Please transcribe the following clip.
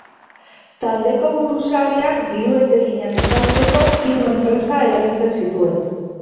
Taldeko buruzagiak diru etekinak estaltzeko hiru enpresa erabiltzen zituen.